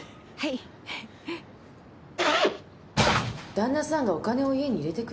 旦那さんがお金を家に入れてくれない？